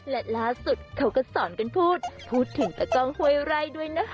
และล่าสุดเขาก็สอนกันพูดพูดถึงตะกล้องห้วยไร่ด้วยนะคะ